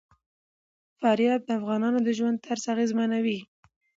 فاریاب د افغانانو د ژوند طرز اغېزمنوي.